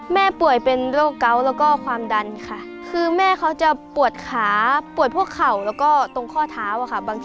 ป่วยเป็นโรคเกาะแล้วก็ความดันค่ะคือแม่เขาจะปวดขาปวดพวกเข่าแล้วก็ตรงข้อเท้าอะค่ะ